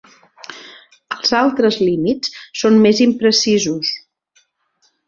Els altres límits són més imprecisos.